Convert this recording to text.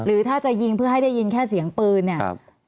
หรือถ้าจะยิงเพื่อให้ได้ยินแค่เสียงปืนเนี่ย